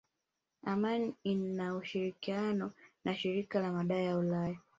Amani ina ushirikiano na shirika la madawa la ulaya